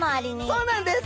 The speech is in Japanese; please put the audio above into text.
そうなんです。